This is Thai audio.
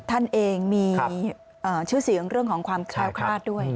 ท่านเองมีชื่อเสียงเรื่องของความแคล้วคลาดด้วย